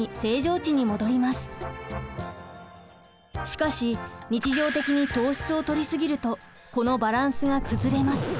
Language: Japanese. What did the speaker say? しかし日常的に糖質をとり過ぎるとこのバランスが崩れます。